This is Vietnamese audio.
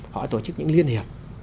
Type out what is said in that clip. họ tổ chức những liên hiệp